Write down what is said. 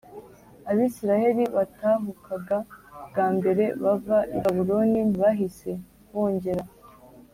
Abisirayeli batahukaga bwa mbere bava i Babuloni ntibahise bongera